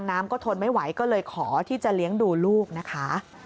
น้ำก็ทนไม่ไหวก็เลยขอที่จะเลี้ยงดูลูกนะคะ